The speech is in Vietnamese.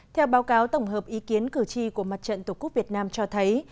theo báo cáo tổng hợp ý kiến cử tri của mặt trận tổ quốc việt nam cho thấy